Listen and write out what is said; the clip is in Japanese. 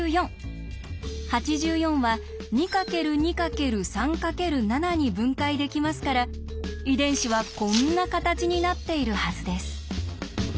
８４は２×２×３×７に分解できますから遺伝子はこんな形になっているはずです。